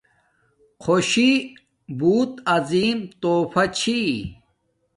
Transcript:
خوشی بوت عظیم توفہ چھی